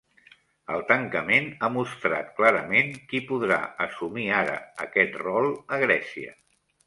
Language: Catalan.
El tancament ha mostrat clarament qui podrà assumir ara aquest rol a Grècia.